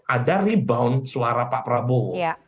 ada rebound suara pak prabowo